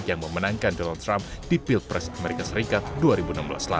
yang memenangkan donald trump di pilpres amerika serikat dua ribu enam belas lalu